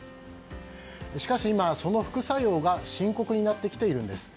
しかし今、その副作用が深刻になってきているんです。